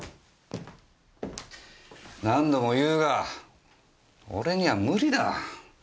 何度も言うが俺には無理だ。